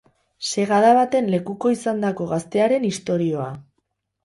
Segada baten lekuko izandako gaztearen istorioa.